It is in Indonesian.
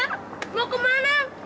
cuma mau kemana